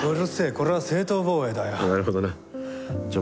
これは正当防衛だよなるほじゃあ